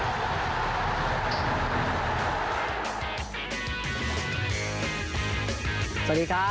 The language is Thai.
ไทรัตเชียร์ไทยแลนด์